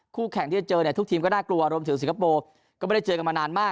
แข่งที่จะเจอเนี่ยทุกทีมก็น่ากลัวรวมถึงสิงคโปร์ก็ไม่ได้เจอกันมานานมาก